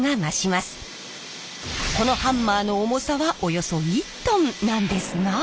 このハンマーの重さはおよそ１トンなんですが。